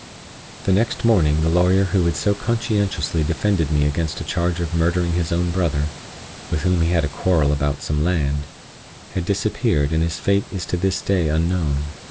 The next morning the lawyer who had so conscientiously defended me against a charge of murdering his own brother—with whom he had a quarrel about some land—had disappeared and his fate is to this day unknown.